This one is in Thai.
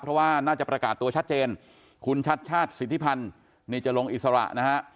เพราะว่าน่าจะประกาศตัวชัดเจนคุณชัดชาติสิทธิพันธ์นี่จะลงอิสระนะฮะ